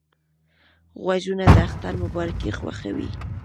غوږونه د اختر مبارکۍ خوښوي